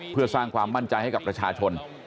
เพื่อสร้างความมั่นใจให้กับประชาชน